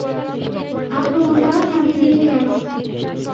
আক্রমণ করা থামিয়ে দিলে কেন?